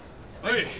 はい！